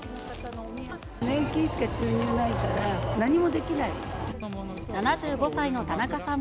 年金しか収入ないから、何もできない。